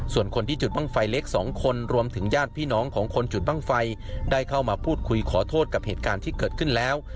ส่วนคนที่จุดบ้างไฟเล็ก๒คนรวมถึงญาติพี่น้องของคนจุดบ้างไฟได้เข้ามาพูดคุยขอโทษกับเหตุการณ์ที่เกิดขึ้นแล้ว